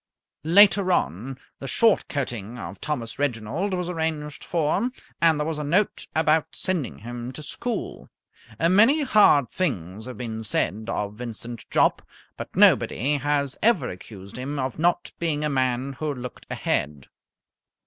Later on, the short coating of Thomas Reginald was arranged for, and there was a note about sending him to school. Many hard things have been said of Vincent Jopp, but nobody has ever accused him of not being a man who looked ahead.